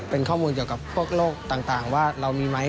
เป็นข้อมูลเกี่ยวกับพวกโลกต่างว่าเรามีไหม